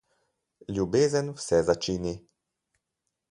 Ljubezen vse začini.